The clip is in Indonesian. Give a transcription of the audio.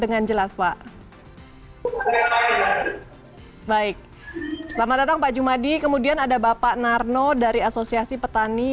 dengan jelas pak baik selamat datang pak jumadi kemudian ada bapak narno dari asosiasi petani